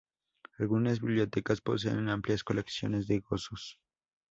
Algunas bibliotecas poseen amplias colecciones de gozos.